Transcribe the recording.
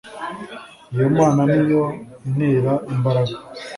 iyo mana ni yo intera imbaraga